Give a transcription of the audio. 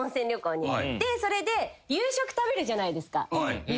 それで夕食食べるじゃないですか。